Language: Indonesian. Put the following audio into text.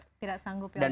tidak sanggup ya allah